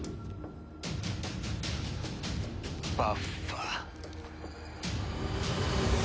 バッファ。